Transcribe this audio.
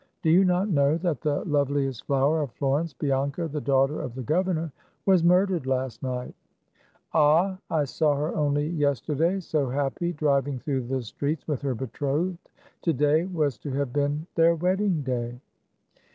Do you not know that the loveliest flower of Flor ence, Bianca, the daughter of the governor, was murdered last night ? Ah ! I saw her only yes terday, so happy, driving through the streets with her betrothed; to day was to have been their wedding day."